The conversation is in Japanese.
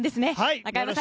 中山さん